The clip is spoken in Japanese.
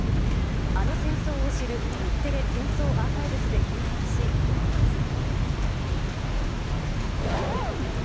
あの戦争を知る日テレ戦争アーカイブスで検索し、ご覧ください。